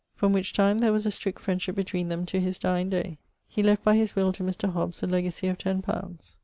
From which time there was a strict friendship between to his dyeing day. He left by his will to Mr. Hobbes a legacy of ten poundes.